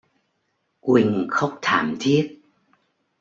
Quỳnh khóc thảm Thiết